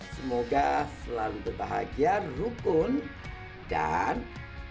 semoga selalu berbahagia rukun dan